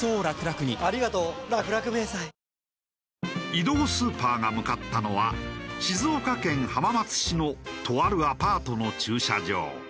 移動スーパーが向かったのは静岡県浜松市のとあるアパートの駐車場。